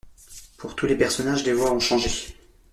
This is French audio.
Pour tous les personnages, les voix ont changé.